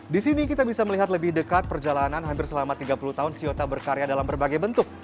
di sini kita bisa melihat lebih dekat perjalanan hampir selama tiga puluh tahun shiota berkarya dalam berbagai bentuk